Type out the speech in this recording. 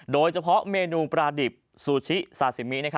โดยเฉพาะเมนูปลาดิบซูชิซาซิมิ